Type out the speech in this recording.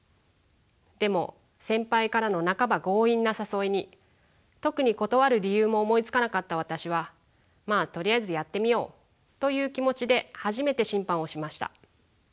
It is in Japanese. でも先輩からの半ば強引な誘いに特に断る理由も思いつかなかった私はまあとりあえずやってみようという気持ちで初めて審判をしました。